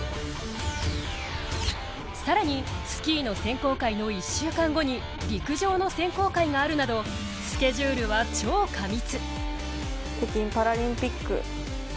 更に、スキーの選考会の１週間後に陸上の選考会があるなど、スケジュールは超過密。